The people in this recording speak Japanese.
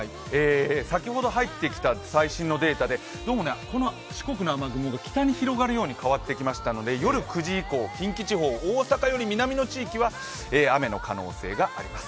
先ほど入ってきた最新のデータでどうも四国の雨雲が北に広がるように変わってきましたので夜９時以降、近畿地方、大阪より南の地域は雨の可能性があります。